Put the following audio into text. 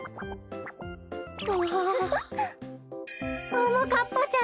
ももかっぱちゃん！